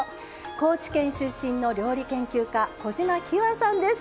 高知県出身の料理研究家・小島喜和さんです。